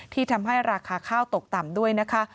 ที่ทำให้ราคาข้าวตกต่ำด้วยนะคะ